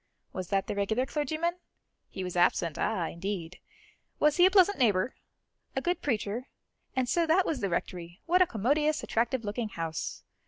Was that the regular clergyman? He was absent; ah, indeed! Was he a pleasant neighbour? a good preacher? And so that was the Rectory; what a commodious, attractive looking house!